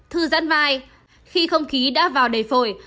thư giãn vai khi không khí đã vào đầy phổi